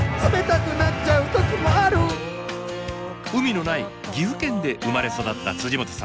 海のない岐阜県で生まれ育った本さん。